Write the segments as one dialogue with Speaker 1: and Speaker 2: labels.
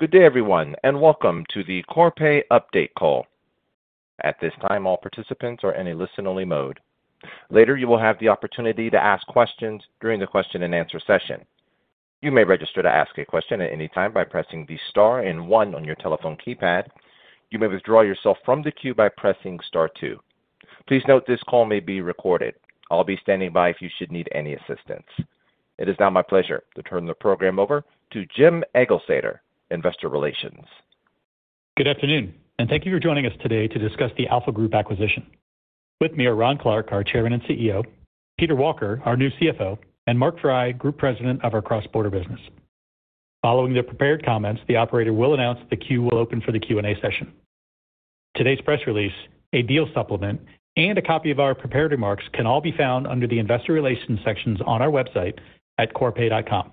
Speaker 1: Good day, everyone, and welcome to the Corpay Update Call. At this time, all participants are in a listen-only mode. Later, you will have the opportunity to ask questions during the question-and-answer session. You may register to ask a question at any time by pressing the star and one on your telephone keypad. You may withdraw yourself from the queue by pressing star two. Please note this call may be recorded. I'll be standing by if you should need any assistance. It is now my pleasure to turn the program over to Jim Eglseder, Investor Relations.
Speaker 2: Good afternoon, and thank you for joining us today to discuss the Alpha Group acquisition. With me are Ron Clarke, our Chairman and CEO; Peter Walker, our new CFO; and Mark Frey, Group President of our Cross-Border business. Following the prepared comments, the operator will announce the queue will open for the Q&A session. Today's press release, a deal supplement, and a copy of our prepared remarks can all be found under the Investor Relations sections on our website at corpay.com.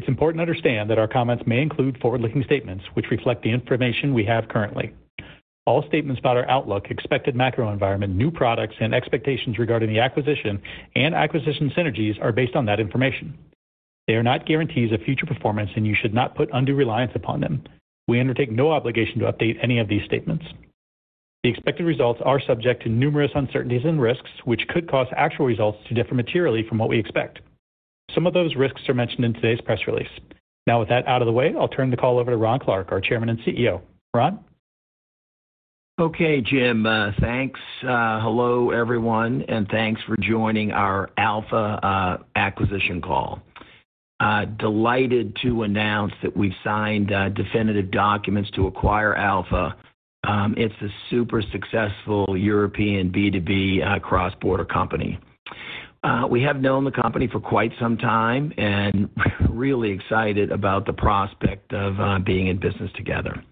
Speaker 2: It's important to understand that our comments may include forward-looking statements which reflect the information we have currently. All statements about our outlook, expected macro environment, new products, and expectations regarding the acquisition and acquisition synergies are based on that information. They are not guarantees of future performance, and you should not put undue reliance upon them. We undertake no obligation to update any of these statements. The expected results are subject to numerous uncertainties and risks which could cause actual results to differ materially from what we expect. Some of those risks are mentioned in today's press release. Now, with that out of the way, I'll turn the call over to Ron Clarke, our Chairman and CEO. Ron?
Speaker 3: Okay, Jim, thanks. Hello, everyone, and thanks for joining our Alpha acquisition call. Delighted to announce that we've signed definitive documents to acquire Alpha. It's a super-successful European B2B cross-border company. We have known the company for quite some time and are really excited about the prospect of being in business together.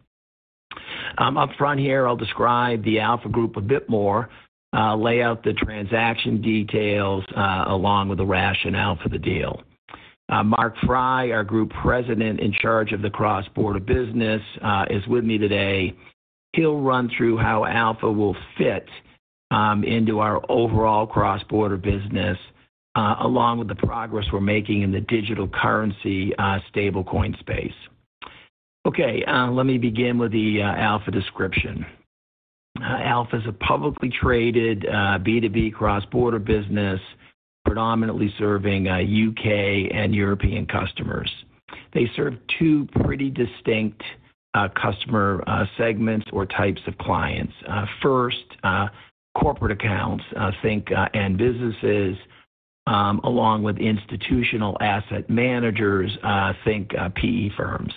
Speaker 3: Up front here, I'll describe the Alpha Group a bit more, lay out the transaction details along with the rationale for the deal. Mark Frey, our Group President in charge of the Cross-Border business, is with me today. He'll run through how Alpha will fit into our overall Cross-Border business, along with the progress we're making in the digital currency stablecoin space. Okay, let me begin with the Alpha description. Alpha is a publicly traded B2B cross-border business, predominantly serving U.K. and European customers. They serve two pretty distinct customer segments or types of clients. First, corporate accounts, think end businesses, along with institutional asset managers, think PE firms.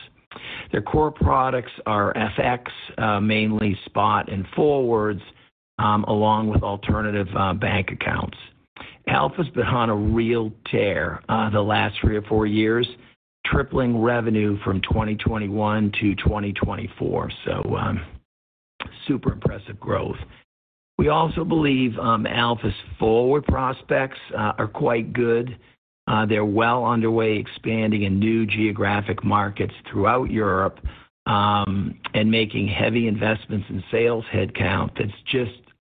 Speaker 3: Their core products are FX, mainly spot and forwards, along with alternative bank accounts. Alpha's been on a real tear the last three or four years, tripling revenue from 2021 to 2024. Super impressive growth. We also believe Alpha's forward prospects are quite good. They're well underway, expanding in new geographic markets throughout Europe and making heavy investments in sales headcount that's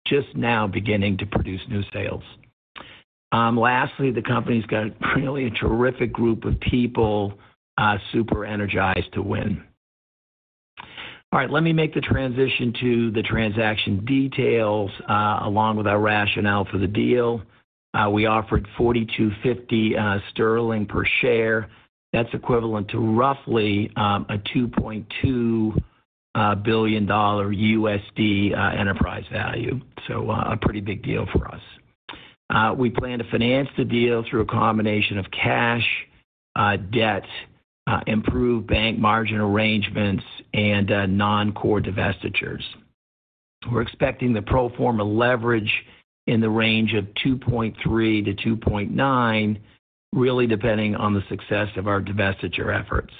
Speaker 3: just now beginning to produce new sales. Lastly, the company's got a really terrific group of people, super energized to win. All right, let me make the transition to the transaction details along with our rationale for the deal. We offered 4,250 sterling per share. That's equivalent to roughly a $2.2 billion USD enterprise value. A pretty big deal for us. We plan to finance the deal through a combination of cash, debt, improved bank margin arrangements, and non-core divestitures. We're expecting the pro forma leverage in the range of 2.3-2.9, really depending on the success of our divestiture efforts.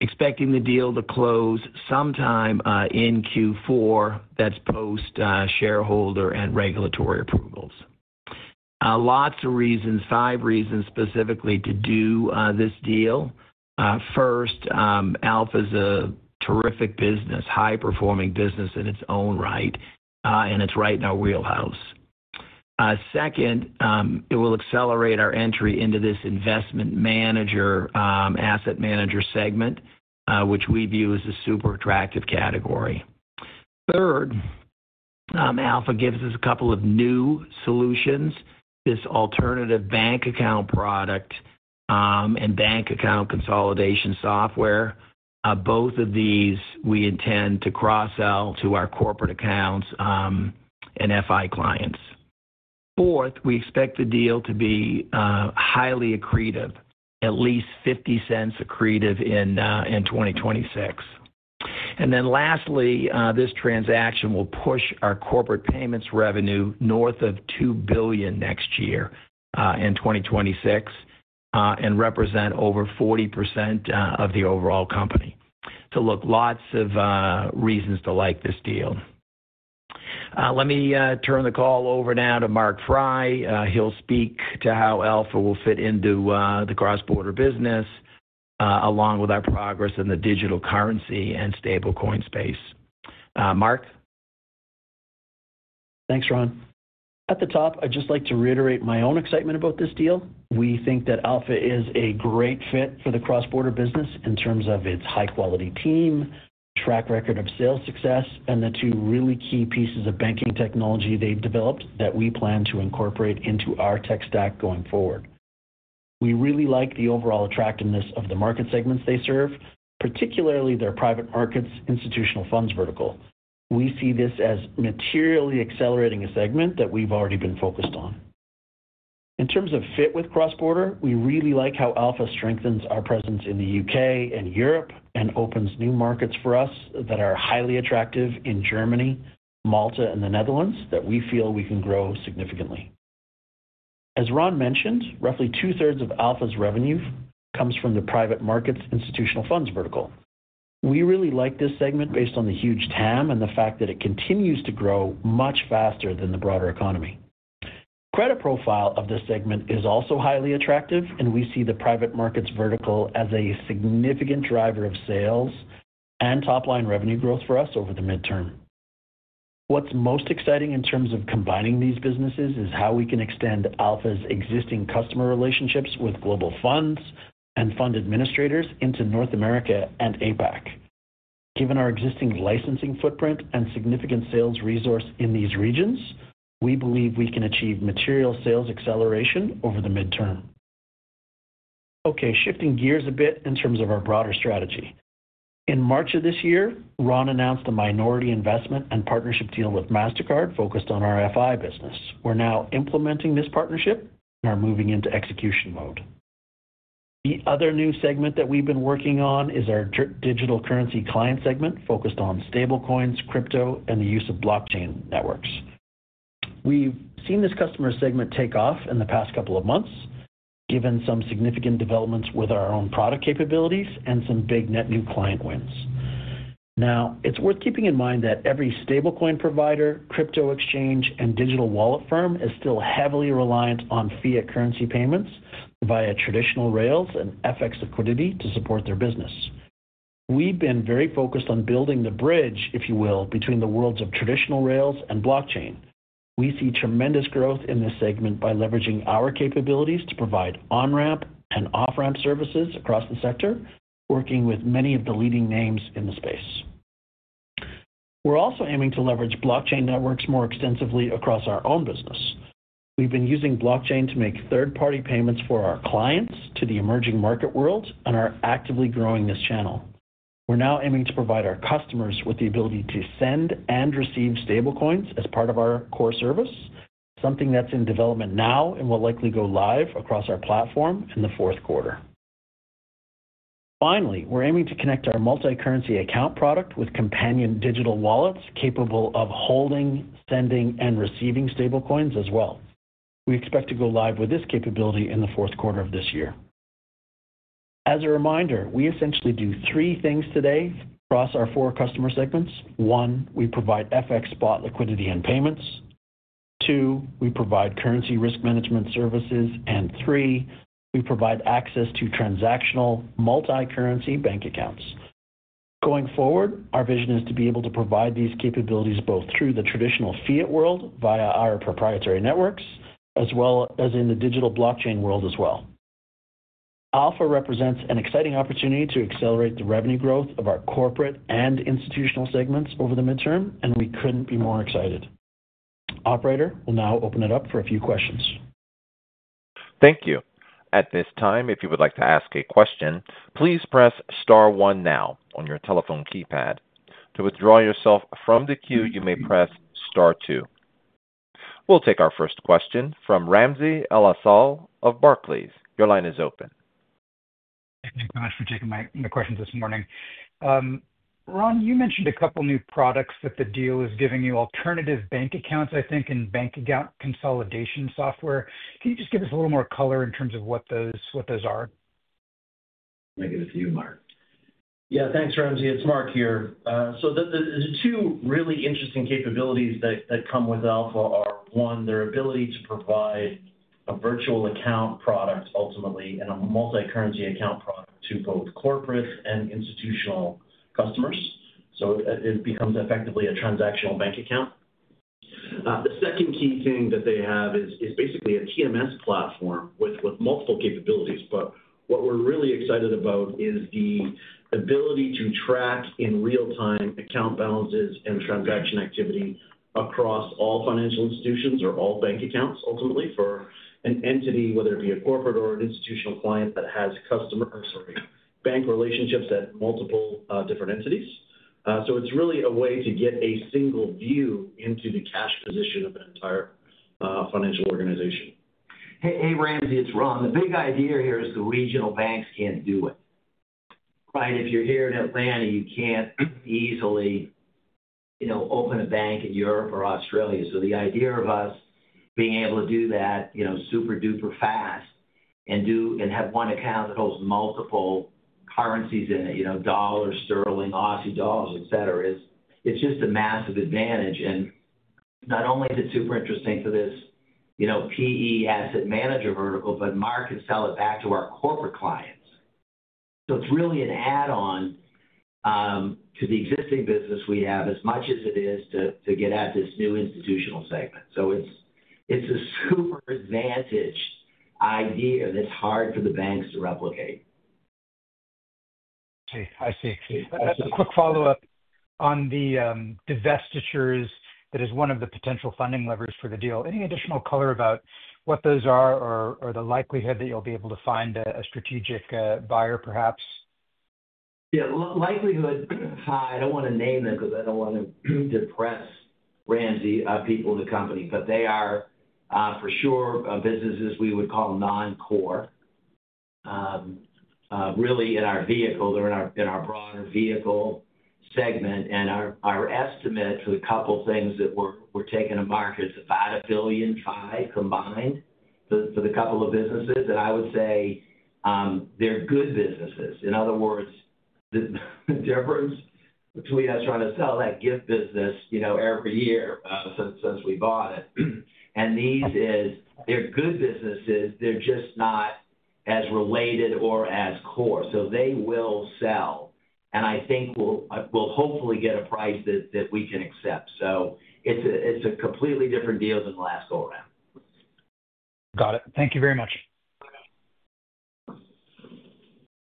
Speaker 3: Expecting the deal to close sometime in Q4. That's post-shareholder and regulatory approvals. Lots of reasons, five reasons specifically, to do this deal. First, Alpha's a terrific business, high-performing business in its own right, and it's right in our wheelhouse. Second, it will accelerate our entry into this investment manager, asset manager segment, which we view as a super-attractive category. Third, Alpha gives us a couple of new solutions, this alternative bank account product and bank account consolidation software. Both of these we intend to cross-sell to our corporate accounts and FI clients. Fourth, we expect the deal to be highly accretive, at least $0.50 accretive in 2026. Lastly, this transaction will push our corporate payments revenue north of $2 billion next year in 2026 and represent over 40% of the overall company. Look, lots of reasons to like this deal. Let me turn the call over now to Mark Frey. He'll speak to how Alpha will fit into the Cross-Border business. Along with our progress in the digital currency and stablecoin space. Mark.
Speaker 4: Thanks, Ron. At the top, I'd just like to reiterate my own excitement about this deal. We think that Alpha is a great fit for the Cross-Border business in terms of its high-quality team, track record of sales success, and the two really key pieces of banking technology they've developed that we plan to incorporate into our tech stack going forward. We really like the overall attractiveness of the market segments they serve, particularly their private markets, institutional funds vertical. We see this as materially accelerating a segment that we've already been focused on. In terms of fit with Cross-Border, we really like how Alpha strengthens our presence in the U.K. and Europe and opens new markets for us that are highly attractive in Germany, Malta, and the Netherlands that we feel we can grow significantly. As Ron mentioned, roughly two-thirds of Alpha's revenue comes from the private markets, institutional funds vertical. We really like this segment based on the huge TAM and the fact that it continues to grow much faster than the broader economy. The credit profile of this segment is also highly attractive, and we see the private markets vertical as a significant driver of sales and top-line revenue growth for us over the mid-term. What's most exciting in terms of combining these businesses is how we can extend Alpha's existing customer relationships with global funds and fund administrators into North America and APAC. Given our existing licensing footprint and significant sales resource in these regions, we believe we can achieve material sales acceleration over the mid-term. Okay, shifting gears a bit in terms of our broader strategy. In March of this year, Ron announced a minority investment and partnership deal with Mastercard focused on our FI business. We're now implementing this partnership and are moving into execution mode. The other new segment that we've been working on is our digital currency client segment focused on stablecoins, crypto, and the use of blockchain networks. We've seen this customer segment take off in the past couple of months, given some significant developments with our own product capabilities and some big net new client wins. Now, it's worth keeping in mind that every stablecoin provider, crypto exchange, and digital wallet firm is still heavily reliant on fiat currency payments via traditional rails and FX liquidity to support their business. We've been very focused on building the bridge, if you will, between the worlds of traditional rails and blockchain. We see tremendous growth in this segment by leveraging our capabilities to provide on-ramp and off-ramp services across the sector, working with many of the leading names in the space. We're also aiming to leverage blockchain networks more extensively across our own business. We've been using blockchain to make third-party payments for our clients to the emerging market world and are actively growing this channel. We're now aiming to provide our customers with the ability to send and receive stablecoins as part of our core service, something that's in development now and will likely go live across our platform in the fourth quarter. Finally, we're aiming to connect our multi-currency account product with companion digital wallets capable of holding, sending, and receiving stablecoins as well. We expect to go live with this capability in the fourth quarter of this year. As a reminder, we essentially do three things today across our four customer segments. One, we provide FX spot liquidity and payments. Two, we provide currency risk management services. Three, we provide access to transactional multi-currency bank accounts. Going forward, our vision is to be able to provide these capabilities both through the traditional fiat world via our proprietary networks as well as in the digital blockchain world as well. Alpha represents an exciting opportunity to accelerate the revenue growth of our corporate and institutional segments over the mid-term, and we couldn't be more excited. Operator, we'll now open it up for a few questions.
Speaker 1: Thank you. At this time, if you would like to ask a question, please press star one now on your telephone keypad. To withdraw yourself from the queue, you may press star two. We'll take our first question from Ramsey El-Assal of Barclays. Your line is open.
Speaker 5: Thank you so much for taking my questions this morning. Ron, you mentioned a couple of new products that the deal is giving you: alternative bank accounts, I think, and bank account consolidation software. Can you just give us a little more color in terms of what those are?
Speaker 3: I'll make it a few, Mark.
Speaker 4: Yeah, thanks, Ramsey. It's Mark here. The two really interesting capabilities that come with Alpha are, one, their ability to provide a virtual account product ultimately and a multi-currency account product to both corporate and institutional customers. It becomes effectively a transactional bank account. The second key thing that they have is basically a TMS platform with multiple capabilities. What we're really excited about is the ability to track in real-time account balances and transaction activity across all financial institutions or all bank accounts ultimately for an entity, whether it be a corporate or an institutional client that has customer—sorry—bank relationships at multiple different entities. It's really a way to get a single view into the cash position of an entire financial organization.
Speaker 3: Hey, Ramsey, it's Ron. The big idea here is the regional banks can't do it. Right? If you're here in Atlanta, you can't easily open a bank in Europe or Australia. The idea of us being able to do that super duper fast and have one account that holds multiple currencies in it, dollars, sterling, Aussie dollars, etc., it's just a massive advantage. Not only is it super interesting for this PE asset manager vertical, but Mark can sell it back to our corporate clients. It's really an add-on to the existing business we have as much as it is to get at this new institutional segment. It's a super advantaged idea that's hard for the banks to replicate.
Speaker 5: I see. I see. Just a quick follow-up on the divestitures that is one of the potential funding levers for the deal. Any additional color about what those are or the likelihood that you'll be able to find a strategic buyer, perhaps?
Speaker 3: Yeah. Likelihood, I do not want to name them because I do not want to depress Ramsey, our people in the company, but they are for sure businesses we would call non-core. Really in our vehicle, they are in our broader vehicle segment. Our estimate for the couple of things that we are taking to market is about $1 billion combined for the couple of businesses. I would say they are good businesses. In other words, the difference between us trying to sell that gift business every year since we bought it and these is they are good businesses. They are just not as related or as core. They will sell. I think we will hopefully get a price that we can accept. It is a completely different deal than the last go-around.
Speaker 5: Got it. Thank you very much.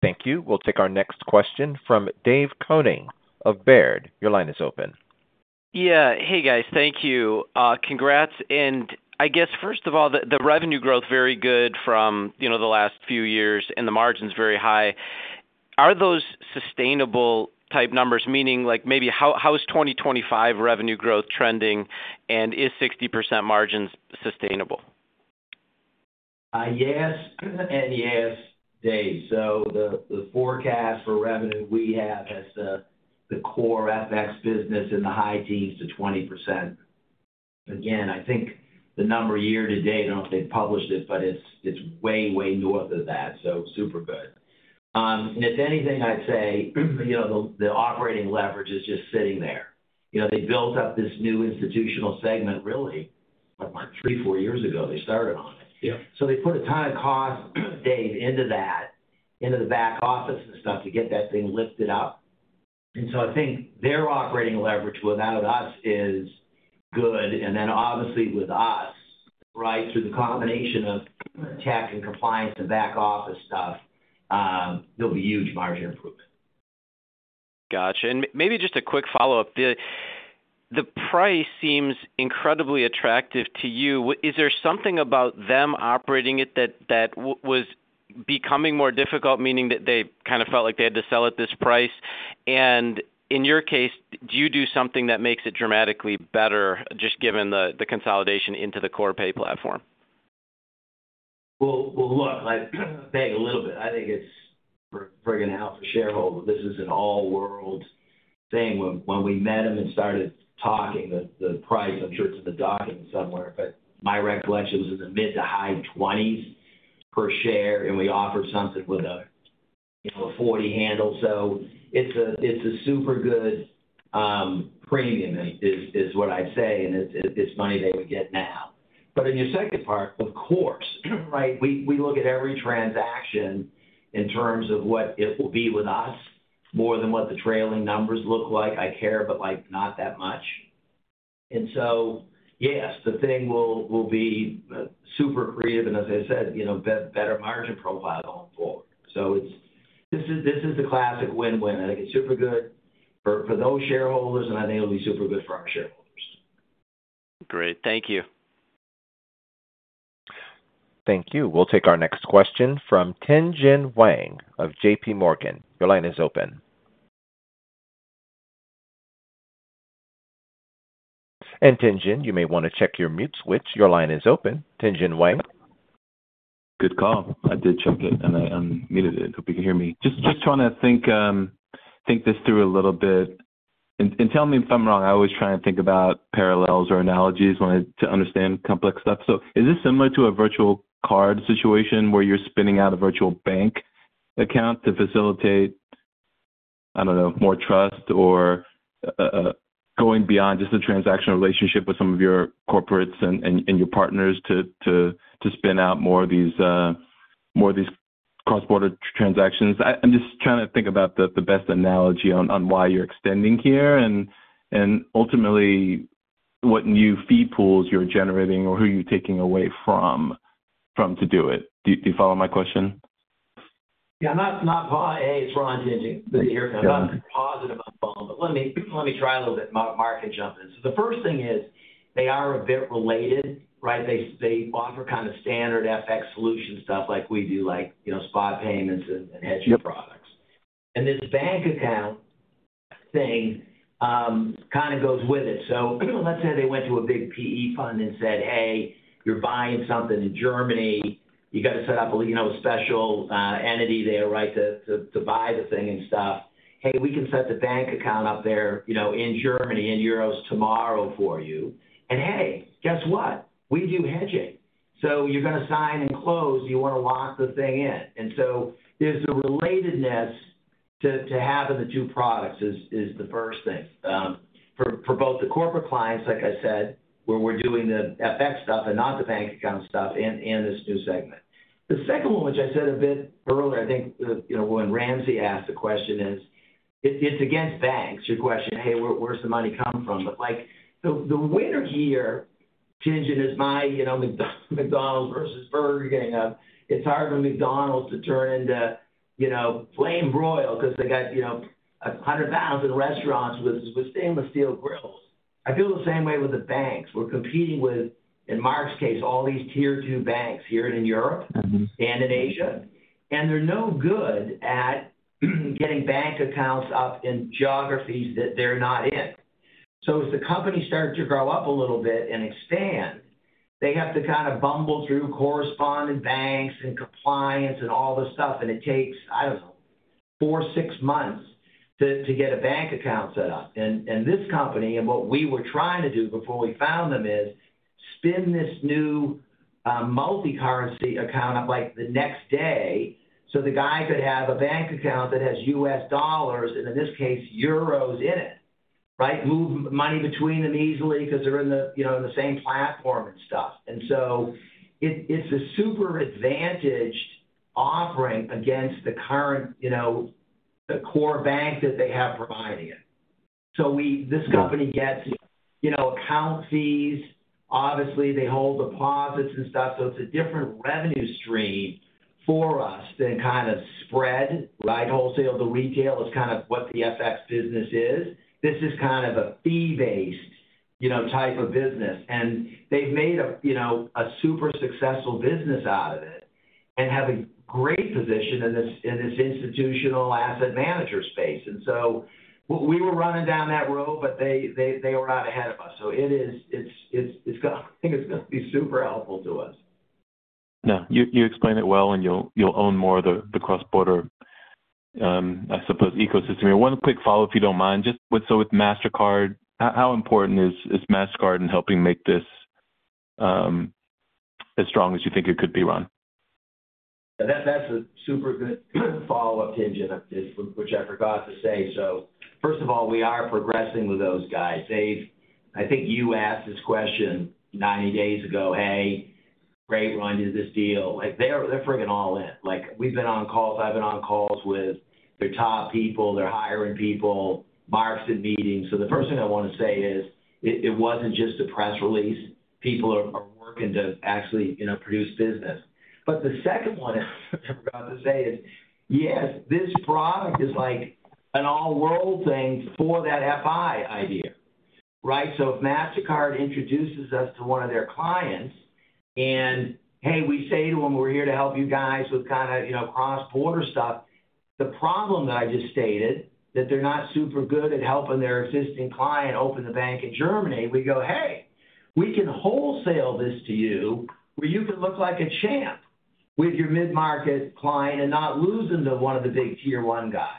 Speaker 1: Thank you. We'll take our next question from Dave Koning of Baird. Your line is open.
Speaker 6: Yeah. Hey, guys. Thank you. Congrats. And I guess, first of all, the revenue growth is very good from the last few years, and the margin is very high. Are those sustainable type numbers? Meaning maybe how is 2025 revenue growth trending, and is 60% margins sustainable?
Speaker 3: Yes and yes, Dave. The forecast for revenue we have has the core FX business in the high teens to 20%. Again, I think the number year to date, I do not know if they have published it, but it is way, way north of that. Super good. If anything, I would say the operating leverage is just sitting there. They built up this new institutional segment really like three, four years ago. They started on it. They put a ton of cost, Dave, into that, into the back office and stuff to get that thing lifted up. I think their operating leverage without us is good. Obviously with us, right, through the combination of tech and compliance and back office stuff, there will be huge margin improvement.
Speaker 6: Gotcha. Maybe just a quick follow-up. The price seems incredibly attractive to you. Is there something about them operating it that was becoming more difficult, meaning that they kind of felt like they had to sell at this price? In your case, do you do something that makes it dramatically better just given the consolidation into the Corpay platform?
Speaker 3: Look, I'll beg a little bit. I think it's forgetting how for shareholders. This is an all-world thing. When we met them and started talking, the price, I'm sure it's in the document somewhere, but my recollection was in the mid to high $20s per share, and we offered something with a $40 handle. It's a super good premium, is what I'd say, and it's money they would get now. In your second part, of course, right, we look at every transaction in terms of what it will be with us more than what the trailing numbers look like. I care, but not that much. Yes, the thing will be super accretive and, as I said, better margin profile going forward. This is the classic win-win. I think it's super good for those shareholders, and I think it'll be super good for our shareholders.
Speaker 6: Great. Thank you.
Speaker 1: Thank you. We'll take our next question from Tien-Tsin Huang of J.P. Morgan. Your line is open. Tien-Tsin, you may want to check your mute switch. Your line is open. Tien-Tsin Huang.
Speaker 7: Good call. I did check it, and I muted it. Hope you can hear me. Just trying to think this through a little bit. Tell me if I'm wrong. I always try and think about parallels or analogies to understand complex stuff. Is this similar to a virtual card situation where you're spinning out a virtual bank account to facilitate, I don't know, more trust or going beyond just the transactional relationship with some of your corporates and your partners to spin out more of these cross-border transactions? I'm just trying to think about the best analogy on why you're extending here and ultimately what new fee pools you're generating or who you're taking away from to do it. Do you follow my question?
Speaker 3: Yeah. it's Ron here, Tien-Tsin. I'm not positive on bond, but let me try a little bit and Mark can jump in. The first thing is they are a bit related, right? They offer kind of standard FX solution stuff like we do, like spot payments and hedging products. And this bank account thing kind of goes with it. Let's say they went to a big PE fund and said, "Hey, you're buying something in Germany. You got to set up a special entity there, right, to buy the thing and stuff. Hey, we can set the bank account up there in Germany in euros tomorrow for you." And hey, guess what? We do hedging. You're going to sign and close. You want to lock the thing in. There is a relatedness to having the two products, is the first thing. For both the corporate clients, like I said, where we're doing the FX stuff and not the bank account stuff in this new segment. The second one, which I said a bit earlier, I think when Ramsey asked the question, is it's against banks, your question, "Hey, where's the money come from?" The winner here, Tien-Tsin, is like McDonald's versus Burger King of it's hard for McDonald's to turn into flame royal because they got 100,000 restaurants with stainless steel grills. I feel the same way with the banks we're competing with, in Mark's case, all these tier two banks here in Europe and in Asia. They're no good at getting bank accounts up in geographies that they're not in. As the company starts to grow up a little bit and expand, they have to kind of bumble through correspondent banks and compliance and all this stuff. It takes, I don't know, four-six months to get a bank account set up. This company, and what we were trying to do before we found them, is spin this new multi-currency account up like the next day so the guy could have a bank account that has U.S. dollars and, in this case, euros in it, right? Move money between them easily because they're in the same platform and stuff. It's a super advantaged offering against the current core bank that they have providing it. This company gets account fees. Obviously, they hold deposits and stuff. It's a different revenue stream for us than kind of spread, right? Wholesale to retail is kind of what the FX business is. This is kind of a fee-based type of business. They've made a super successful business out of it and have a great position in this institutional asset manager space. We were running down that road, but they were out ahead of us. It's going to be super helpful to us.
Speaker 7: Yeah. You explain it well, and you'll own more of the cross-border. I suppose, ecosystem. One quick follow-up, if you don't mind. With Mastercard, how important is Mastercard in helping make this as strong as you think it could be, Ron?
Speaker 3: That's a super good follow-up, Tien-Tsin, which I forgot to say. First of all, we are progressing with those guys. Dave, I think you asked this question 90 days ago, "Hey, great, Ron, did this deal?" They're frigging all in. We've been on calls. I've been on calls with their top people. They're hiring people, Mark's in meetings. The first thing I want to say is it wasn't just a press release. People are working to actually produce business. The second one I forgot to say is, yes, this product is like an all-world thing for that FI idea, right? If Mastercard introduces us to one of their clients and, hey, we say to them, "We're here to help you guys with kind of cross-border stuff," the problem that I just stated, that they're not super good at helping their existing client open the bank in Germany, we go, "Hey, we can wholesale this to you where you can look like a champ with your mid-market client and not lose them to one of the big tier one guys."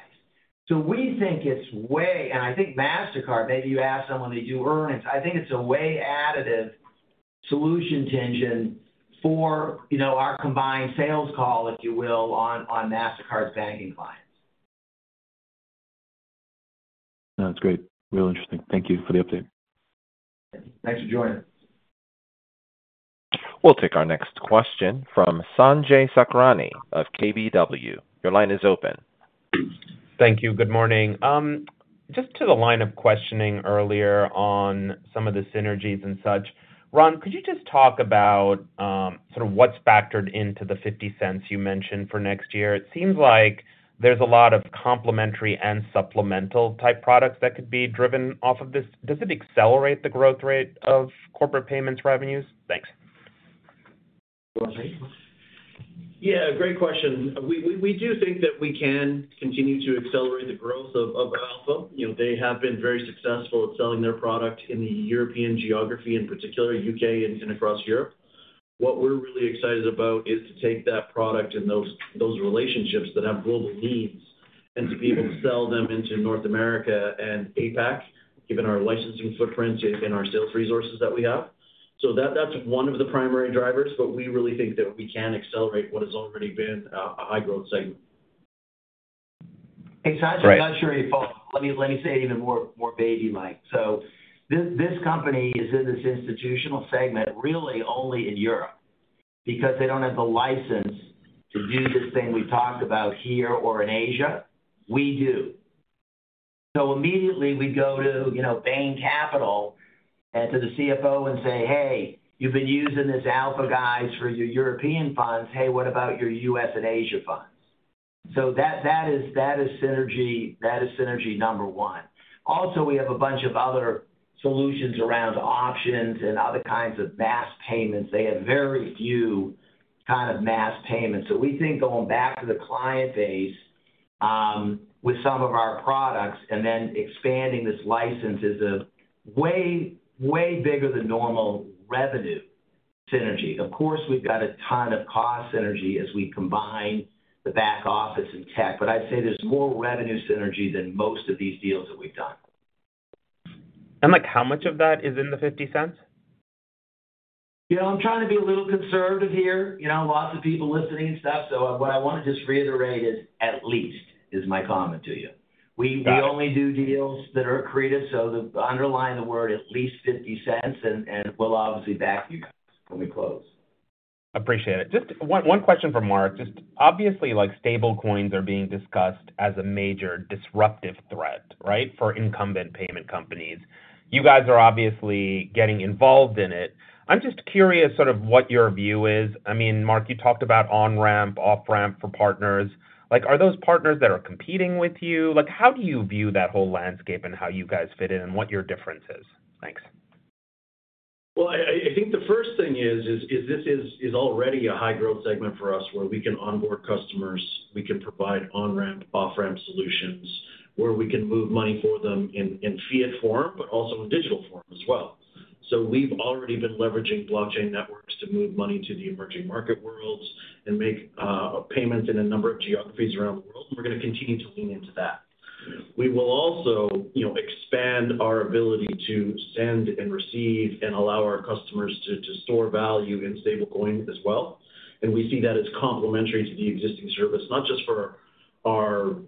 Speaker 3: We think it's way—and I think Mastercard, maybe you asked someone to do earnings—I think it's a way additive solution, Tien-Tsin, for our combined sales call, if you will, on Mastercard's banking clients.
Speaker 7: That's great. Real interesting. Thank you for the update.
Speaker 3: Thanks for joining.
Speaker 1: We'll take our next question from Sanjay Sakhrani of KBW. Your line is open.
Speaker 8: Thank you. Good morning. Just to the line of questioning earlier on some of the synergies and such, Ron, could you just talk about sort of what's factored into the $0.50 you mentioned for next year? It seems like there's a lot of complementary and supplemental type products that could be driven off of this. Does it accelerate the growth rate of corporate payments revenues? Thanks.
Speaker 3: Yeah. Great question. We do think that we can continue to accelerate the growth of Alpha. They have been very successful at selling their product in the European geography, in particular, U.K. and across Europe. What we're really excited about is to take that product and those relationships that have global needs and to be able to sell them into North America and APAC, given our licensing footprint and our sales resources that we have. That is one of the primary drivers, but we really think that we can accelerate what has already been a high-growth segment.
Speaker 8: Exactly.
Speaker 3: Let me say it even more baby-like. This company is in this institutional segment really only in Europe because they do not have the license to do this thing we have talked about here or in Asia. We do. Immediately we go to Bain Capital and to the CFO and say, "Hey, you have been using this Alpha guys for your European funds. Hey, what about your U.S. and Asia funds?" That is synergy number one. Also, we have a bunch of other solutions around options and other kinds of mass payments. They have very few kind of mass payments. We think going back to the client base with some of our products and then expanding this license is a way, way bigger than normal revenue synergy. Of course, we have a ton of cost synergy as we combine the back office and tech, but I would say there is more revenue synergy than most of these deals that we have done.
Speaker 8: How much of that is in the $0.50?
Speaker 3: I'm trying to be a little conservative here. Lots of people listening and stuff. What I want to just reiterate is at least my comment to you. We only do deals that are accretive. Underline the word at least $0.50, and we'll obviously back you guys when we close.
Speaker 8: Appreciate it. Just one question for Mark. Just obviously, stablecoins are being discussed as a major disruptive threat, right, for incumbent payment companies. You guys are obviously getting involved in it. I'm just curious sort of what your view is. I mean, Mark, you talked about on-ramp, off-ramp for partners. Are those partners that are competing with you? How do you view that whole landscape and how you guys fit in and what your difference is? Thanks.
Speaker 4: I think the first thing is this is already a high-growth segment for us where we can onboard customers. We can provide on-ramp, off-ramp solutions where we can move money for them in fiat form, but also in digital form as well. We have already been leveraging blockchain networks to move money to the emerging market worlds and make payments in a number of geographies around the world. We are going to continue to lean into that. We will also expand our ability to send and receive and allow our customers to store value in stablecoin as well. We see that as complementary to the existing service, not just for our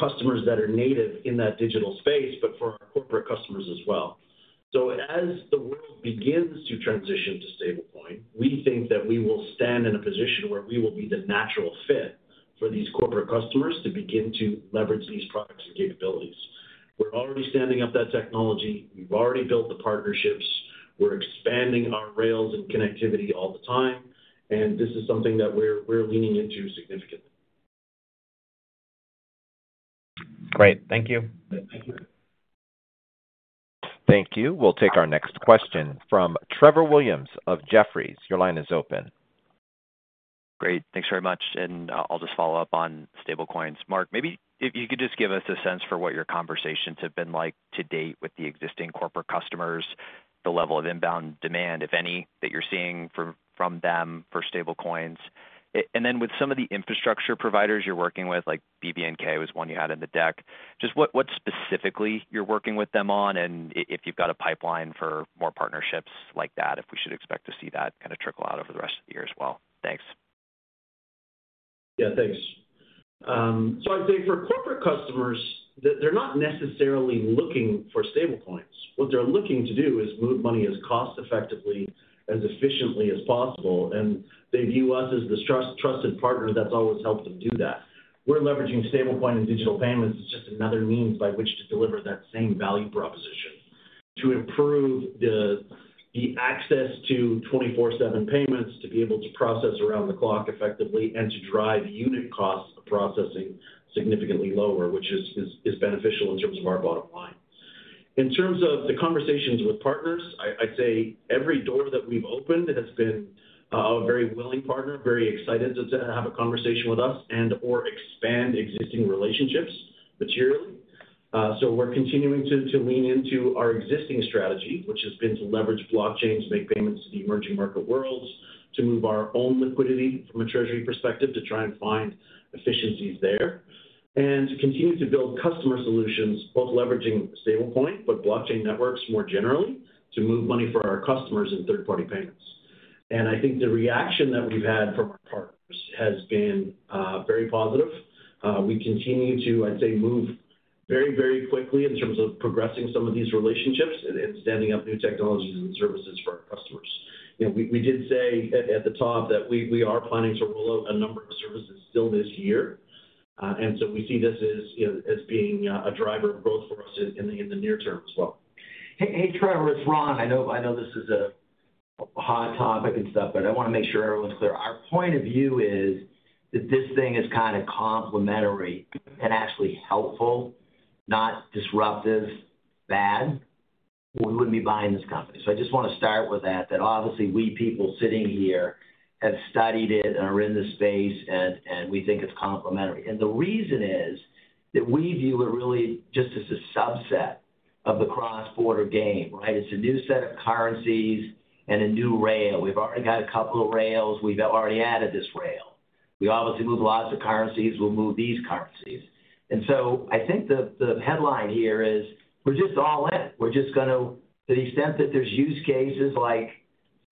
Speaker 4: customers that are native in that digital space, but for our corporate customers as well. As the world begins to transition to stablecoin, we think that we will stand in a position where we will be the natural fit for these corporate customers to begin to leverage these products and capabilities. We are already standing up that technology. We have already built the partnerships. We are expanding our rails and connectivity all the time. This is something that we are leaning into significantly.
Speaker 8: Great. Thank you.
Speaker 1: Thank you. We'll take our next question from Trevor Williams of Jefferies. Your line is open.
Speaker 9: Great. Thanks very much. I'll just follow up on stablecoins. Mark, maybe if you could just give us a sense for what your conversations have been like to date with the existing corporate customers, the level of inbound demand, if any, that you're seeing from them for stablecoins. With some of the infrastructure providers you're working with, like BVNK was one you had in the deck, just what specifically you're working with them on and if you've got a pipeline for more partnerships like that, if we should expect to see that kind of trickle out over the rest of the year as well. Thanks.
Speaker 4: Yeah. Thanks. I'd say for corporate customers, they're not necessarily looking for stablecoins. What they're looking to do is move money as cost-effectively, as efficiently as possible. They view us as the trusted partner that's always helped them do that. We're leveraging stablecoin and digital payments as just another means by which to deliver that same value proposition to improve the access to 24/7 payments, to be able to process around the clock effectively, and to drive unit cost processing significantly lower, which is beneficial in terms of our bottom line. In terms of the conversations with partners, I'd say every door that we've opened has been a very willing partner, very excited to have a conversation with us and/or expand existing relationships materially. We're continuing to lean into our existing strategy, which has been to leverage blockchains, make payments to the emerging market worlds, to move our own liquidity from a treasury perspective, to try and find efficiencies there, and to continue to build customer solutions, both leveraging stablecoin but blockchain networks more generally to move money for our customers in third-party payments. I think the reaction that we've had from our partners has been very positive. We continue to, I'd say, move very, very quickly in terms of progressing some of these relationships and standing up new technologies and services for our customers. We did say at the top that we are planning to roll out a number of services still this year. We see this as being a driver of growth for us in the near term as well.
Speaker 3: Hey, Trevor, it's Ron. I know this is a hot topic and stuff, but I want to make sure everyone's clear. Our point of view is that this thing is kind of complementary and actually helpful, not disruptive, bad. We wouldn't be buying this company. I just want to start with that, that obviously we people sitting here have studied it and are in the space, and we think it's complementary. The reason is that we view it really just as a subset of the cross-border game, right? It's a new set of currencies and a new rail. We've already got a couple of rails. We've already added this rail. We obviously move lots of currencies. We'll move these currencies. I think the headline here is we're just all in. We're just going to, to the extent that there's use cases like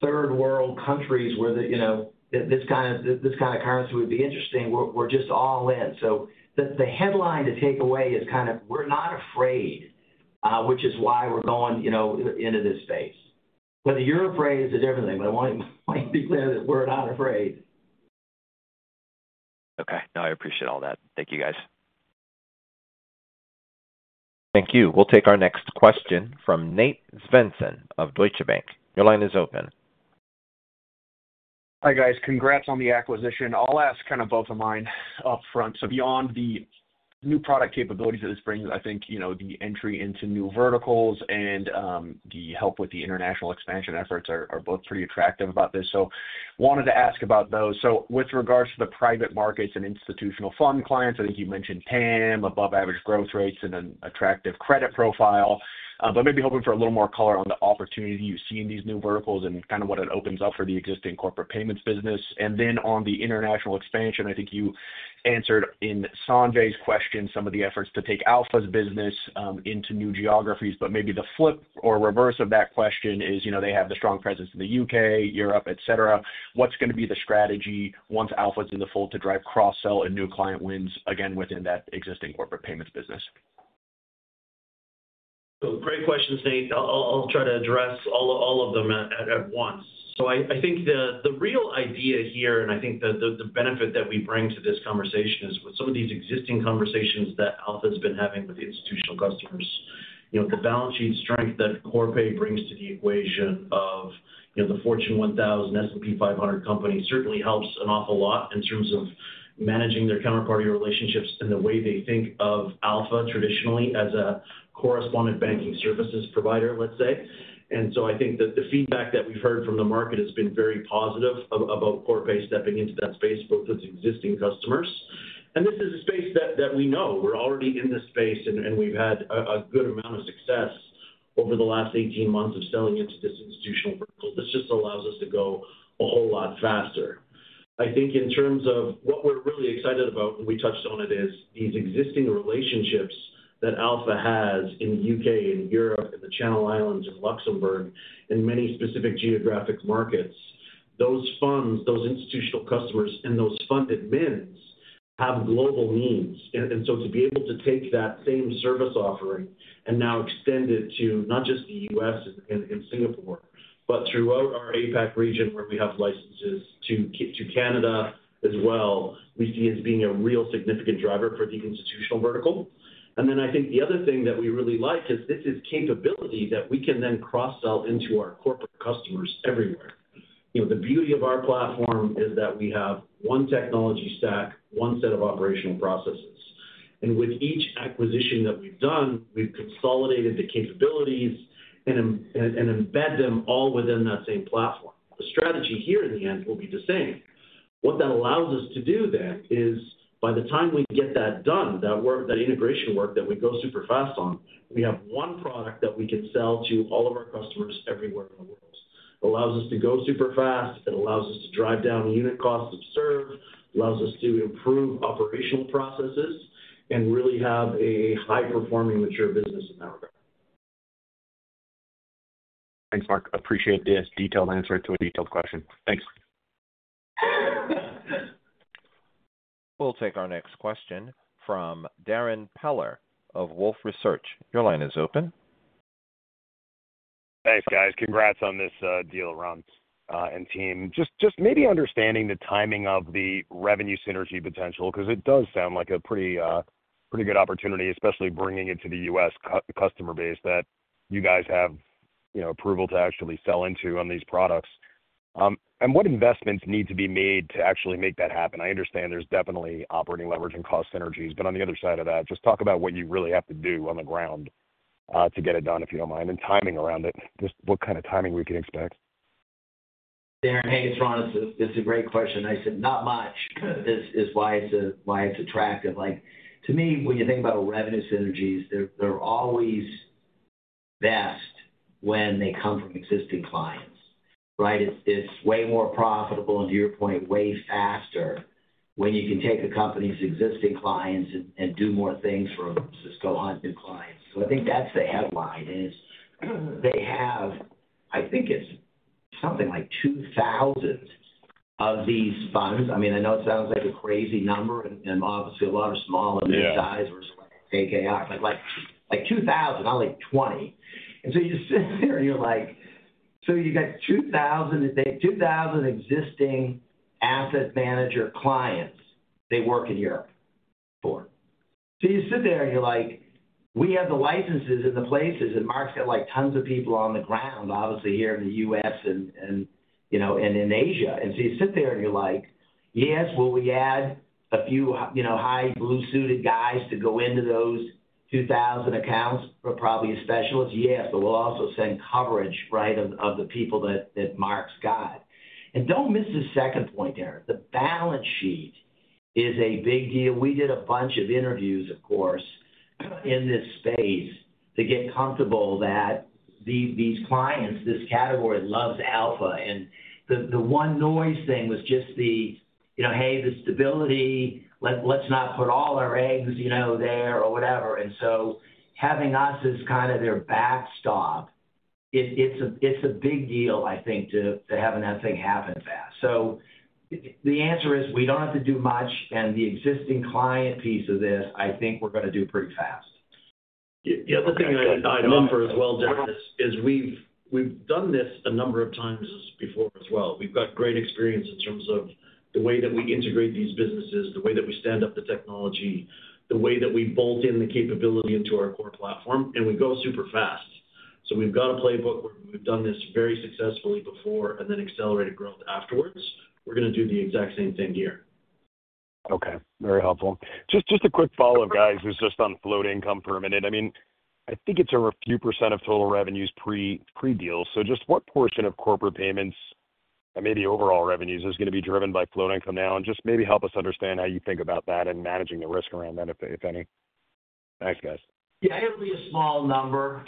Speaker 3: third-world countries where this kind of currency would be interesting, we're just all in. The headline to take away is kind of we're not afraid, which is why we're going into this space. Whether you're afraid is a different thing, but I want you to be clear that we're not afraid.
Speaker 9: Okay. No, I appreciate all that. Thank you, guys.
Speaker 1: Thank you. We'll take our next question from Nate Svensson of Deutsche Bank. Your line is open.
Speaker 10: Hi, guys. Congrats on the acquisition. I'll ask kind of both of mine upfront. Beyond the new product capabilities that this brings, I think the entry into new verticals and the help with the international expansion efforts are both pretty attractive about this. I wanted to ask about those. With regards to the private markets and institutional fund clients, I think you mentioned TAM, above-average growth rates, and an attractive credit profile, but maybe hoping for a little more color on the opportunity you see in these new verticals and kind of what it opens up for the existing corporate payments business. On the international expansion, I think you answered in Sanjay's question some of the efforts to take Alpha's business into new geographies. Maybe the flip or reverse of that question is they have the strong presence in the U.K., Europe, etc. What's going to be the strategy once Alpha's in the fold to drive cross-sell and new client wins again within that existing corporate payments business?
Speaker 4: Great questions, Nate. I'll try to address all of them at once. I think the real idea here, and I think the benefit that we bring to this conversation is with some of these existing conversations that Alpha has been having with the institutional customers, the balance sheet strength that Corpay brings to the equation of the Fortune 1000 S&P 500 companies certainly helps an awful lot in terms of managing their counterparty relationships and the way they think of Alpha traditionally as a correspondent banking services provider, let's say. I think that the feedback that we've heard from the market has been very positive about Corpay stepping into that space, both with existing customers. This is a space that we know. We're already in this space, and we've had a good amount of success over the last 18 months of selling into this institutional vertical. This just allows us to go a whole lot faster. I think in terms of what we're really excited about, and we touched on it, is these existing relationships that Alpha has in the U.K. and Europe and the Channel Islands and Luxembourg and many specific geographic markets. Those funds, those institutional customers, and those funded mins have global needs. To be able to take that same service offering and now extend it to not just the U.S. and Singapore, but throughout our APAC region where we have licenses to Canada as well, we see as being a real significant driver for the institutional vertical. I think the other thing that we really like is this is capability that we can then cross-sell into our corporate customers everywhere. The beauty of our platform is that we have one technology stack, one set of operational processes. With each acquisition that we've done, we've consolidated the capabilities and embedded them all within that same platform. The strategy here in the end will be the same. What that allows us to do then is by the time we get that done, that integration work that we go super fast on, we have one product that we can sell to all of our customers everywhere in the world. It allows us to go super fast. It allows us to drive down unit costs of serve. It allows us to improve operational processes and really have a high-performing, mature business in that regard.
Speaker 10: Thanks, Mark. Appreciate this detailed answer to a detailed question. Thanks.
Speaker 1: We'll take our next question from Darrin Peller of Wolfe Research. Your line is open.
Speaker 11: Thanks, guys. Congrats on this deal, Ron and team. Just maybe understanding the timing of the revenue synergy potential because it does sound like a pretty good opportunity, especially bringing it to the U.S. customer base that you guys have approval to actually sell into on these products. And what investments need to be made to actually make that happen? I understand there's definitely operating leverage and cost synergies, but on the other side of that, just talk about what you really have to do on the ground. To get it done, if you don't mind, and timing around it. Just what kind of timing we can expect?
Speaker 3: Darrin, hey, it's Ron. It's a great question. I said not much is why it's attractive. To me, when you think about revenue synergies, they're always best when they come from existing clients, right? It's way more profitable, and to your point, way faster when you can take the company's existing clients and do more things for existing clients. So I think that's the headline is they have, I think it's something like 2,000 of these funds. I mean, I know it sounds like a crazy number, and obviously a lot of small- and mid-sized versus KKR. It's like 2,000, not like 20. You sit there and you're like, so you got 2,000 existing asset manager clients they work in Europe for. You sit there and you're like, we have the licenses in the places, and Mark's got tons of people on the ground, obviously here in the U.S. and in Asia. You sit there and you're like, yes, will we add a few high blue-suited guys to go into those 2,000 accounts for probably a specialist? Yes, but we'll also send coverage, right, of the people that Mark's got. Do not miss the second point there. The balance sheet is a big deal. We did a bunch of interviews, of course, in this space to get comfortable that these clients, this category loves Alpha. The one noise thing was just the, hey, the stability, let's not put all our eggs there or whatever. Having us as kind of their backstop, it's a big deal, I think, to have that thing happen fast. The answer is we do not have to do much. The existing client piece of this, I think we're going to do pretty fast.
Speaker 4: The other thing I'd offer as well, Darrin, is we've done this a number of times before as well. We've got great experience in terms of the way that we integrate these businesses, the way that we stand up the technology, the way that we bolt in the capability into our core platform, and we go super fast. We've got a playbook where we've done this very successfully before and then accelerated growth afterwards. We're going to do the exact same thing here.
Speaker 11: Okay. Very helpful. Just a quick follow-up, guys, is just on float income for a minute. I mean, I think it's over a few % of total revenues pre-deal. Just what portion of corporate payments and maybe overall revenues is going to be driven by float income now? Just maybe help us understand how you think about that and managing the risk around that, if any. Thanks, guys.
Speaker 3: Yeah. It'll be a small number.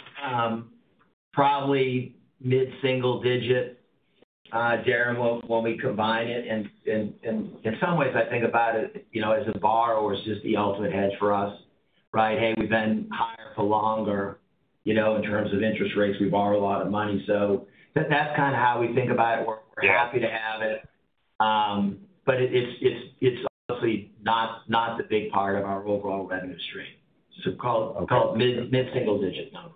Speaker 3: Probably mid-single digit. Darrin, when we combine it, in some ways, I think about it as a borrower is just the ultimate hedge for us, right? Hey, we've been higher for longer. In terms of interest rates, we borrow a lot of money. That's kind of how we think about it. We're happy to have it. It's obviously not the big part of our overall revenue stream. Call it mid-single digit number.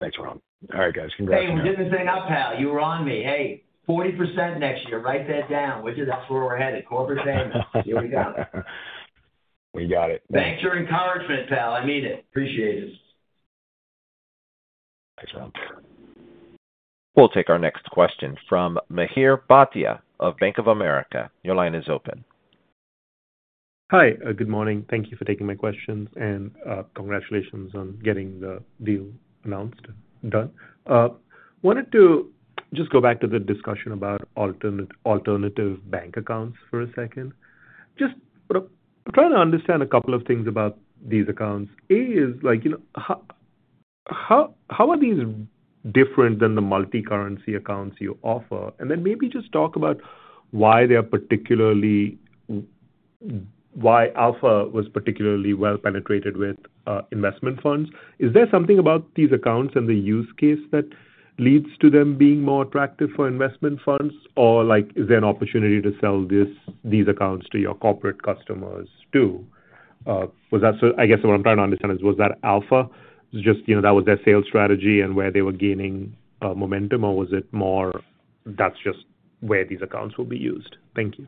Speaker 11: Thanks, Ron. All right, guys. Congrats on that.
Speaker 3: Hey, we didn't say enough, pal. You were on me. Hey, 40% next year. Write that down, would you? That's where we're headed. Corporate payments. Here we go.
Speaker 11: We got it.
Speaker 3: Thanks for your encouragement, pal. I mean it. Appreciate it.
Speaker 11: Thanks, Ron.
Speaker 1: We'll take our next question from Mihir Bhatia of Bank of America. Your line is open.
Speaker 12: Hi. Good morning. Thank you for taking my questions and congratulations on getting the deal announced and done. I wanted to just go back to the discussion about alternative bank accounts for a second. Just trying to understand a couple of things about these accounts. How are these different than the multi-currency accounts you offer? Maybe just talk about why Alpha was particularly well-penetrated with investment funds. Is there something about these accounts and the use case that leads to them being more attractive for investment funds? Or is there an opportunity to sell these accounts to your corporate customers too? I guess what I'm trying to understand is, was that Alpha just that was their sales strategy and where they were gaining momentum, or was it more that's just where these accounts will be used? Thank you.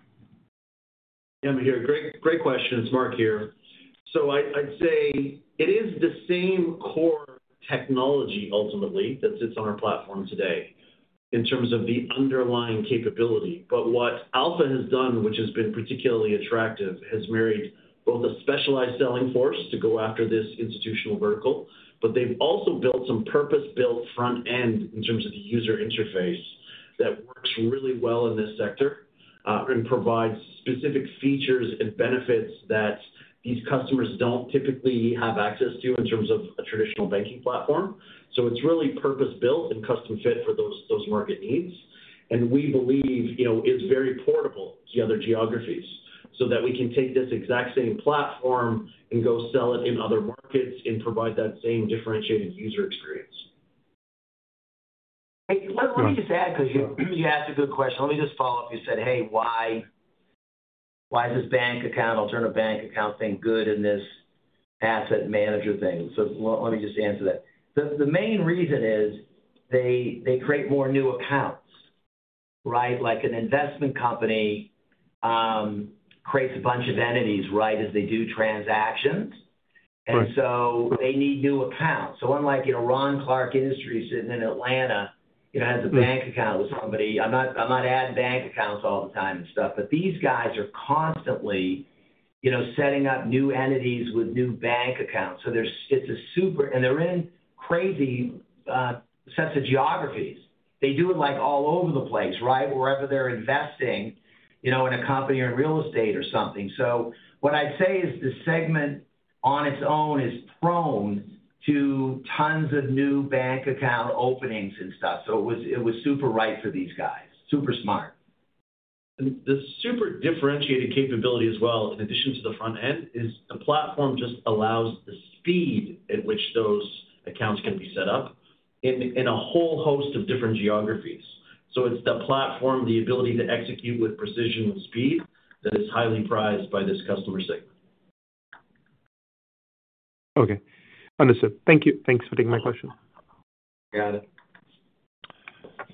Speaker 4: Yeah, Mihir, great question. It's Mark here. I'd say it is the same core technology ultimately that sits on our platform today in terms of the underlying capability. What Alpha has done, which has been particularly attractive, has married both a specialized selling force to go after this institutional vertical, but they've also built some purpose-built front-end in terms of the user interface that works really well in this sector and provides specific features and benefits that these customers do not typically have access to in terms of a traditional banking platform. It's really purpose-built and custom-fit for those market needs. We believe it's very portable to other geographies so that we can take this exact same platform and go sell it in other markets and provide that same differentiated user experience.
Speaker 3: Let me just add because you asked a good question. Let me just follow up. You said, "Hey, why. Is this bank account, alternative bank account thing good in this asset manager thing?" Let me just answer that. The main reason is they create more new accounts, right? An investment company creates a bunch of entities, right, as they do transactions. They need new accounts. Unlike Ron Clarke Industries sitting in Atlanta has a bank account with somebody, I'm not adding bank accounts all the time and stuff, but these guys are constantly setting up new entities with new bank accounts. It's a super, and they're in crazy sets of geographies. They do it all over the place, right? Wherever they're investing in a company or in real estate or something. What I'd say is the segment on its own is prone to tons of new bank account openings and stuff. It was super right for these guys. Super smart.
Speaker 4: The super differentiated capability as well, in addition to the front-end, is the platform just allows the speed at which those accounts can be set up in a whole host of different geographies. It's the platform, the ability to execute with precision and speed that is highly prized by this customer segment.
Speaker 12: Okay. Understood. Thank you. Thanks for taking my question.
Speaker 3: Got it.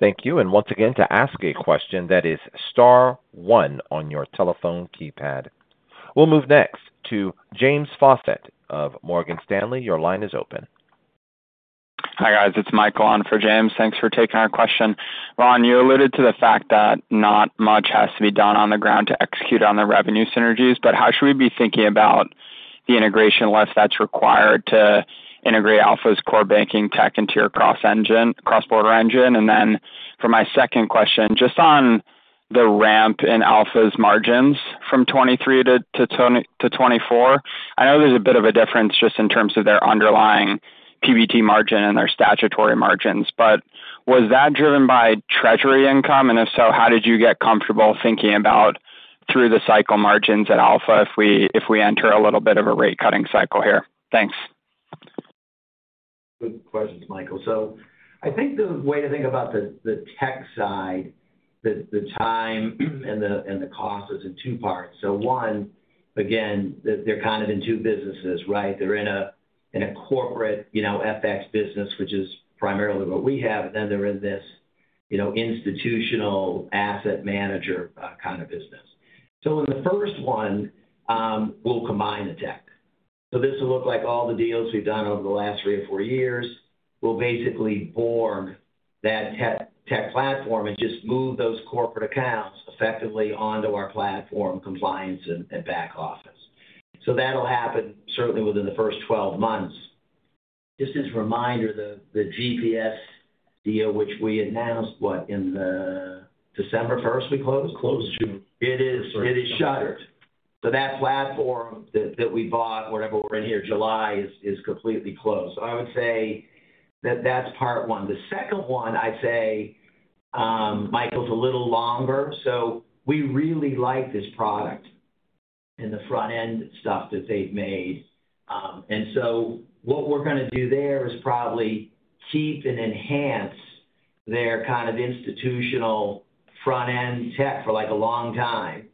Speaker 1: Thank you. Once again, to ask a question, that is star one on your telephone keypad. We'll move next to James Faucette of Morgan Stanley. Your line is open.
Speaker 13: Hi guys. It's Michael on for James. Thanks for taking our question. Ron, you alluded to the fact that not much has to be done on the ground to execute on the revenue synergies, but how should we be thinking about the integration left that's required to integrate Alpha's core banking tech into your cross-border engine? For my second question, just on the ramp in Alpha's margins from 2023 to 2024, I know there's a bit of a difference just in terms of their underlying PBT margin and their statutory margins, but was that driven by treasury income? If so, how did you get comfortable thinking about through the cycle margins at Alpha if we enter a little bit of a rate-cutting cycle here? Thanks.
Speaker 3: Good questions, Michael. I think the way to think about the tech side, the time and the cost is in two parts. One, again, they are kind of in two businesses, right? They are in a corporate FX business, which is primarily what we have, and then they are in this institutional asset manager kind of business. In the first one, we will combine the tech. This will look like all the deals we have done over the last three or four years. We will basically board that tech platform and just move those corporate accounts effectively onto our platform, compliance and back office. That will happen certainly within the first 12 months. Just as a reminder, the CGP deal, which we announced, what, in December 1st we closed? It is shuttered. That platform that we bought, whatever we are in here, July, is completely closed. I would say that is part one. The second one, I would say, Michael, is a little longer. We really like this product and the front-end stuff that they have made. What we are going to do there is probably keep and enhance their kind of institutional front-end tech for a long time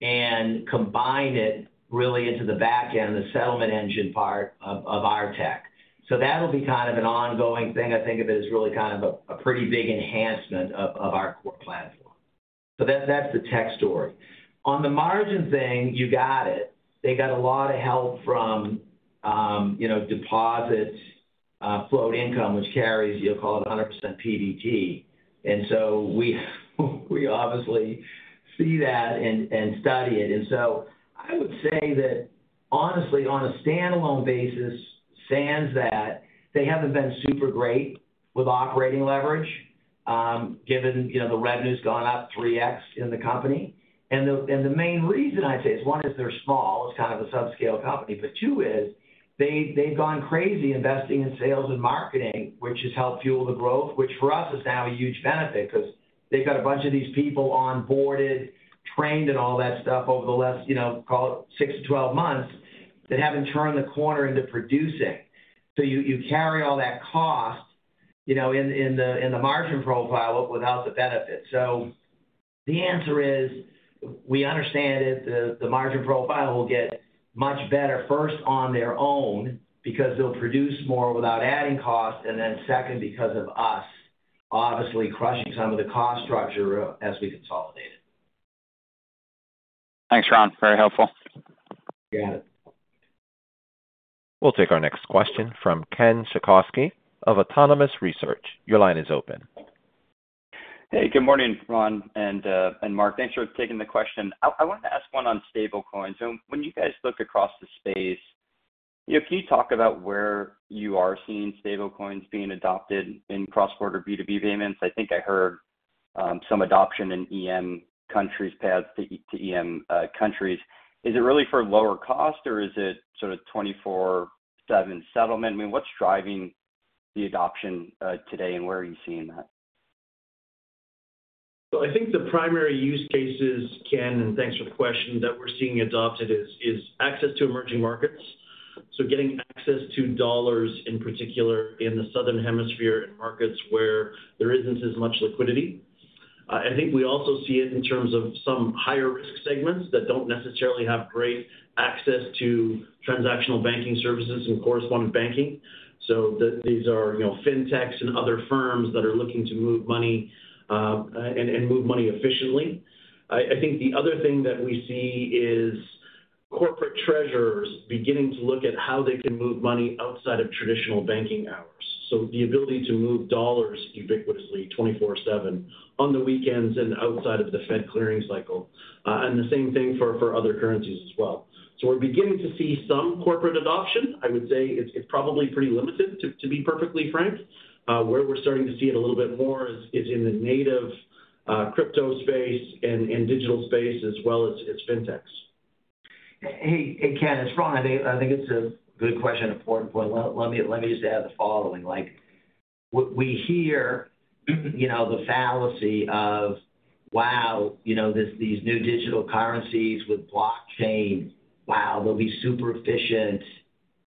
Speaker 3: and combine it really into the back end, the settlement engine part of our tech. That will be kind of an ongoing thing. I think of it as really kind of a pretty big enhancement of our core platform. That is the tech story. On the margin thing, you got it. They got a lot of help from deposits, float income, which carries, you will call it 100% PBT. We obviously see that and study it. I would say that honestly, on a standalone basis, sans that, they have not been super great with operating leverage. Given the revenue has gone up 3x in the company. The main reason I would say is one is they are small. It is kind of a subscale company. Two is they have gone crazy investing in sales and marketing, which has helped fuel the growth, which for us is now a huge benefit because they have got a bunch of these people onboarded, trained, and all that stuff over the last, call it 6 to 12 months, that have not turned the corner into producing. You carry all that cost in the margin profile without the benefit. The answer is we understand it. The margin profile will get much better first on their own because they will produce more without adding cost, and then second, because of us obviously crushing some of the cost structure as we consolidate it.
Speaker 13: Thanks, Ron. Very helpful.
Speaker 3: Got it.
Speaker 1: We'll take our next question from Ken Suchoski of Autonomous Research. Your line is open.
Speaker 14: Hey, good morning, Ron and Mark. Thanks for taking the question. I wanted to ask one on stablecoins. When you guys look across the space, can you talk about where you are seeing stablecoins being adopted in cross-border B2B payments? I think I heard some adoption in EM countries, paths to EM countries. Is it really for lower cost, or is it sort of 24/7 settlement? I mean, what's driving the adoption today, and where are you seeing that?
Speaker 4: I think the primary use cases, Ken, and thanks for the question, that we're seeing adopted is access to emerging markets. Getting access to dollars in particular in the southern hemisphere and markets where there is not as much liquidity. I think we also see it in terms of some higher risk segments that do not necessarily have great access to transactional banking services and correspondent banking. These are fintechs and other firms that are looking to move money. And move money efficiently. I think the other thing that we see is corporate treasurers beginning to look at how they can move money outside of traditional banking hours. The ability to move dollars ubiquitously, 24/7, on the weekends and outside of the Fed clearing cycle. The same thing for other currencies as well. We are beginning to see some corporate adoption. I would say it is probably pretty limited, to be perfectly frank. Where we are starting to see it a little bit more is in the native crypto space and digital space, as well as fintechs.
Speaker 3: Hey, Ken, it is Ron. I think it is a good question and important point. Let me just add the following. We hear the fallacy of, "Wow, these new digital currencies with blockchain, wow, they will be super efficient.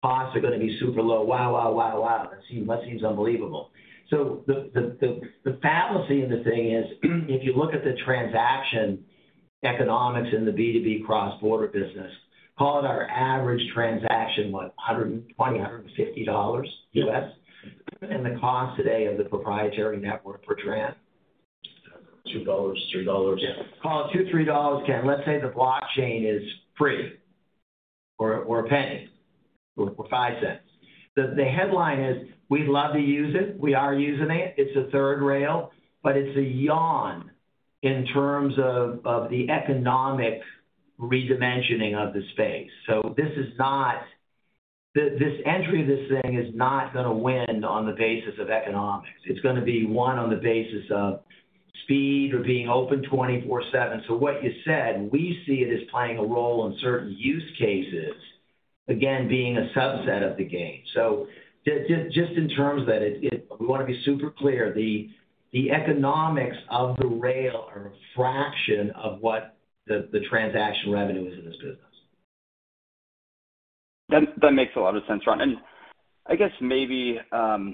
Speaker 3: Costs are going to be super low. Wow, wow, wow, wow. That seems unbelievable." The fallacy in the thing is, if you look at the transaction economics in the B2B cross-border business, call it our average transaction, what, $120, $150, and the cost today of the proprietary network for Tran?
Speaker 14: $2, $3. Yeah.
Speaker 3: Call it $2, $3, Ken. Let's say the blockchain is free, or a penny or $0.05. The headline is, "We'd love to use it. We are using it. It's a third rail, but it's a yawn in terms of the economic redimensioning of the space." This entry of this thing is not going to win on the basis of economics. It is going to be won on the basis of speed or being open 24/7. What you said, we see it as playing a role in certain use cases, again, being a subset of the game. Just in terms of that, we want to be super clear. The economics of the rail are a fraction of what the transaction revenue is in this business.
Speaker 14: That makes a lot of sense, Ron. I guess maybe. I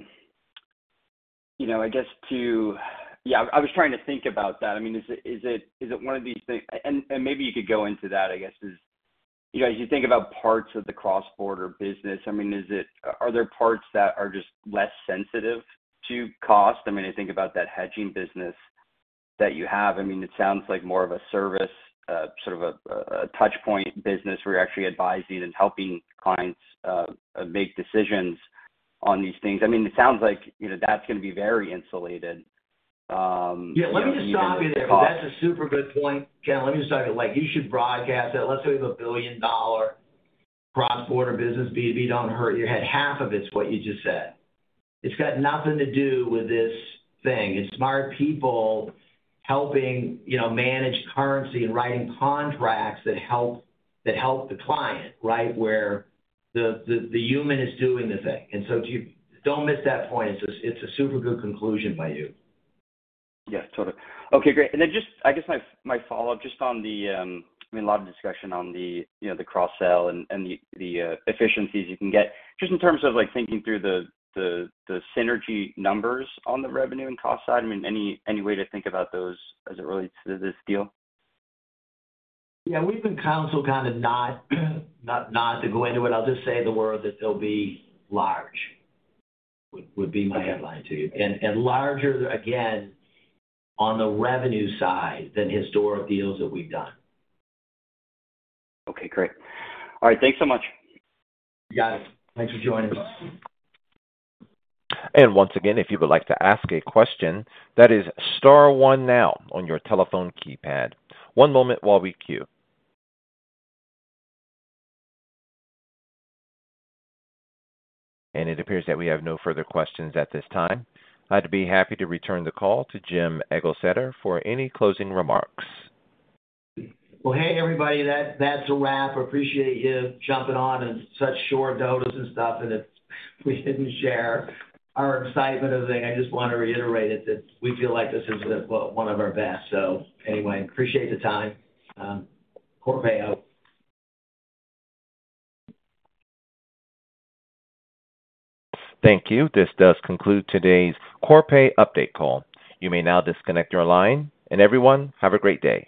Speaker 14: guess to, yeah, I was trying to think about that. I mean, is it one of these things? Maybe you could go into that, I guess, as you think about parts of the cross-border business. I mean, are there parts that are just less sensitive to cost? I mean, I think about that hedging business that you have. I mean, it sounds like more of a service, sort of a touchpoint business where you're actually advising and helping clients make decisions on these things. I mean, it sounds like that's going to be very insulated.
Speaker 3: Yeah, let me just stop you there. That's a super good point, Ken. Let me just stop you. You should broadcast that. Let's say we have a $1 billion cross-border business, B2B, don't hurt your head. Half of it's what you just said. It's got nothing to do with this thing. It's smart people helping manage currency and writing contracts that help the client, right, where the human is doing the thing. And so don't miss that point. It's a super good conclusion by you.
Speaker 14: Yeah, totally. Okay, great. And then just, I guess, my follow-up just on the, I mean, a lot of discussion on the cross-sell and the efficiencies you can get. Just in terms of thinking through the synergy numbers on the revenue and cost side, I mean, any way to think about those as it relates to this deal?
Speaker 3: Yeah, we've been counseled kind of not to go into it. I'll just say the word that they'll be large. Would be my headline to you. And larger, again, on the revenue side than historic deals that we've done.
Speaker 14: Okay, great. All right, thanks so much.
Speaker 3: You got it. Thanks for joining us.
Speaker 1: If you would like to ask a question, that is star one now on your telephone keypad. One moment while we queue. It appears that we have no further questions at this time. I'd be happy to return the call to Jim Eglseder for any closing remarks.
Speaker 3: Hey, everybody, that's a wrap. Appreciate you jumping on in such short notice and stuff, and if we didn't share our excitement or anything, I just want to reiterate it that we feel like this is one of our best. Anyway, appreciate the time. Corpay out.
Speaker 1: Thank you. This does conclude today's Corpay update call. You may now disconnect your line. Everyone, have a great day.